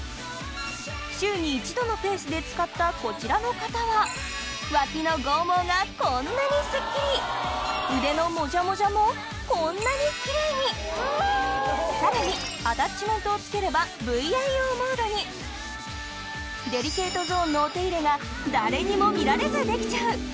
週に一度のペースで使ったこちらの方は脇の剛毛がこんなにすっきり腕のモジャモジャもこんなにキレイにさらにアタッチメントを付ければデリケートゾーンのお手入れが誰にも見られずできちゃう！